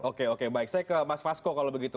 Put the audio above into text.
oke oke baik saya ke mas fasko kalau begitu